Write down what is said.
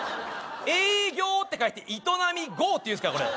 営業って書いて営業っていうんすかこれ？